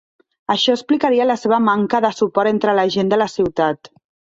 Això explicaria la seva manca de suport entre la gent de la Ciutat.